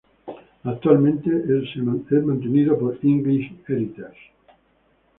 Actualmente es mantenido por English Heritage.